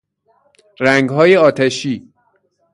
رنگهای آتشی